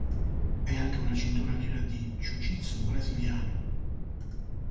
È anche una cintura nera di jiu jitsu brasiliano.